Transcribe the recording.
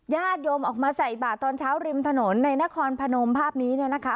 ญาติโยมออกมาใส่บาทตอนเช้าริมถนนในนครพนมภาพนี้เนี่ยนะคะ